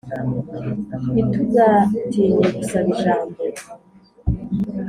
ntitugatinye gusaba ijambo